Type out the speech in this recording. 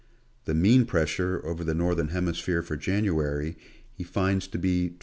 The mean pressure over the Northern Hemisphere for January, he finds to be 29.